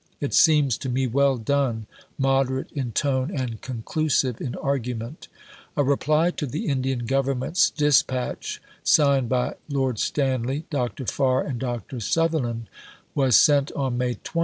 It seems to me well done, moderate in tone, and conclusive in argument." A reply to the Indian Government's Dispatch, signed by Lord Stanley, Dr. Farr, and Dr. Sutherland, was sent on May 20.